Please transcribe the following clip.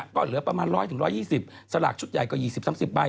ก็เหลือประมาณ๑๐๐๑๒๐สลากชุดใหญ่กว่า๒๐๓๐ใบ